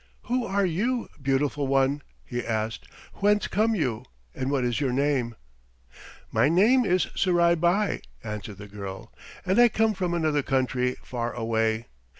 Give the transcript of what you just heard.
"Who are you, beautiful one?" he asked. "Whence come you, and what is your name?" "My name is Surai Bai," answered the girl, "and I come from another country far away.